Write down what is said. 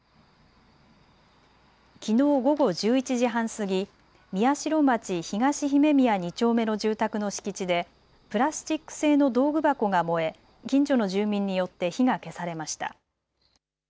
きのう午後１１時半過ぎ宮代町東姫宮２丁目の住宅の敷地でプラスチック製の道具箱が燃え、近所の住民によって火が消されました。